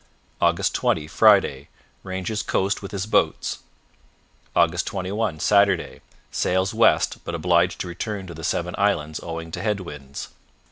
" 20 Friday Ranges coast with his boats. " 21 Saturday Sails west, but obliged to return to the Seven Islands owing to head winds.